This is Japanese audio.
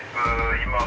今。